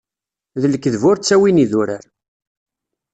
D lekdeb ur ttawin idurar.